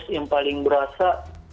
terus yang paling berasa